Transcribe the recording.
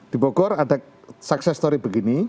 di bogor ada sukses story begini